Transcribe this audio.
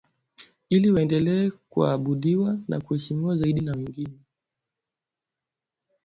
ili waendelee kuabudiwa na kuheshimiwa zaidi ya wengine